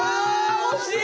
惜しい！